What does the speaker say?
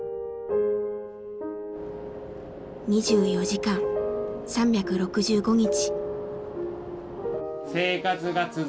２４時間３６５日。